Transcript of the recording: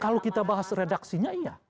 kalau kita bahas redaksinya iya